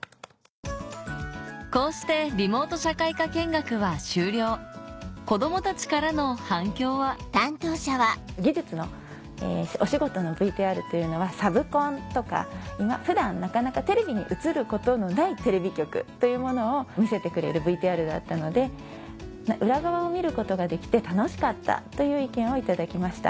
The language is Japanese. こうしてリモート社会科見学は終了子どもたちからの反響は技術のお仕事のＶＴＲというのはサブコンとか普段なかなかテレビに映ることのないテレビ局というものを見せてくれるＶＴＲだったので「裏側を見ることができて楽しかった」という意見を頂きました。